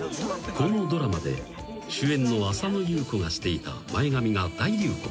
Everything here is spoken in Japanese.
［このドラマで主演の浅野ゆう子がしていた前髪が大流行］